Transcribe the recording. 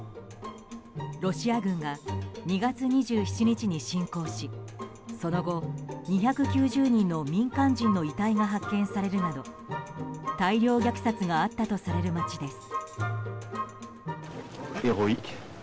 ロシア軍が２月２７日に侵攻しその後、２９０人の民間人の遺体が発見されるなど大量虐殺があったとされる街です。